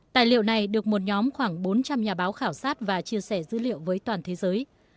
tài liệu này được một nhóm khoảng bốn trăm linh nhà báo khảo sát và chia sẻ dữ liệu với toàn thế giới